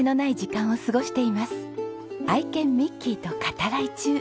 愛犬ミッキーと語らい中。